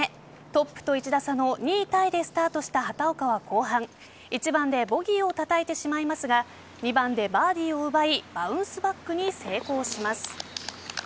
トップと１打差の２位タイでスタートした畑岡は後半１番でボギーをたたいてしまいますが２番でバーディーを奪いバウンスバックに成功します。